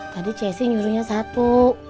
tadi ceci nyuruhnya satu